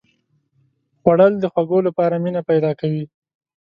خوړل د خوږو لپاره مینه پیدا کوي